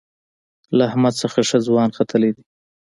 له احمد څخه ښه ځوان ختلی دی.